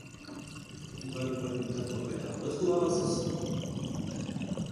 Varu paņemt atpakaļ abas glāzes?